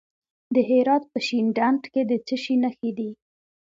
د هرات په شینډنډ کې د څه شي نښې دي؟